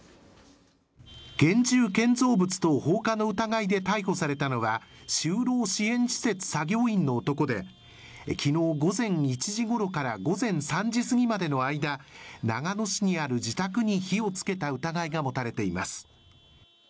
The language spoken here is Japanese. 現住建造物等放火の疑いで逮捕されたのは就労支援施設作業員の男で、昨日午前１時ごろから午前３時過ぎまでの間、長野市にある自宅に火をつけた疑いが持たれています。